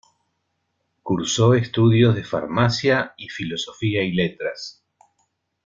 Cursó estudios de Farmacia y Filosofía y Letras.